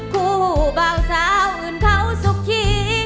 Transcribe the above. คู่เบาสาวอื่นเขาสุขี